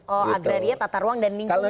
oh agraria tata ruang dan lingkungan